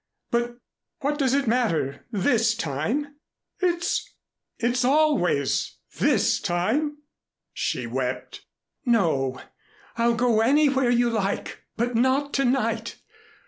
But what does it matter this time?" "It it's always this time," she wept. "No I'll go anywhere you like, but not to night.